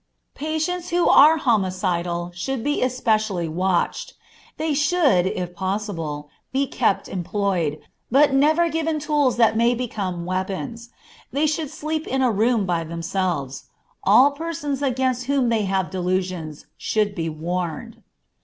Patients who are homicidal should be especially watched. They should, if possible, be kept employed, but never given tools that may become weapons. They should sleep in a room by themselves. All persons against whom they have delusions should be warned.